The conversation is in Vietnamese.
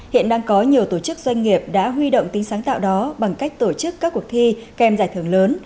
hiện đang có nhiều tổ chức doanh nghiệp đã huy động tính sáng tạo đó bằng cách tổ chức các cuộc thi kèm giải thưởng lớn